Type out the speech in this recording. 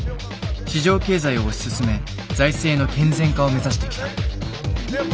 市場経済を推し進め財政の健全化を目指してきた。